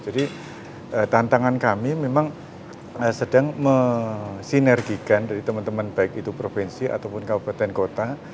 jadi tantangan kami memang sedang mesinergikan dari teman teman baik itu provinsi ataupun kabupaten kota